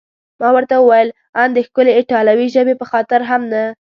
ما ورته وویل: ان د ښکلې ایټالوي ژبې په خاطر هم نه؟